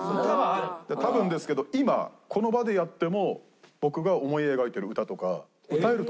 多分ですけど今この場でやっても僕が思い描いてる歌とか歌えると思うんです。